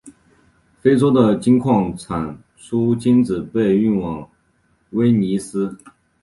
非洲的金矿产出金子被运往威尼斯。